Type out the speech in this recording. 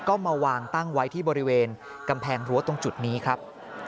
ก็มาวางตั้งไว้ที่บริเวณกำแพงรั้วตรงจุดนี้ครับ